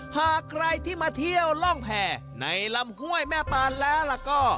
หากใครที่มาเที่ยวร่องแผ่ในลำห้วยแม่ปานแล้วล่ะก็